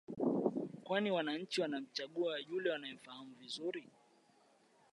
kwani wananchi wanachagua yule wanayemfahamu vizuri